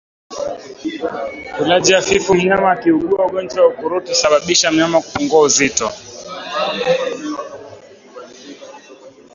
Ulaji hafifu mnyama akiugua ugonjwa wa ukurutu husababisa mnyama kupungua uzito